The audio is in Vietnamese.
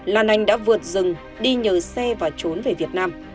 lan anh đã vượt rừng đi nhờ xe và trốn về việt nam